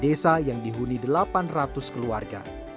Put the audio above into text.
desa yang dihuni delapan ratus keluarga